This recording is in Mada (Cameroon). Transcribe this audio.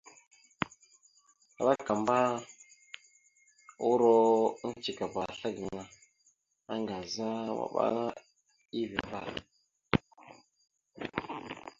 Klakamba uuro eŋgcekaba assla gaŋa, aaŋgaza maɓaŋa, eeve vvaɗ.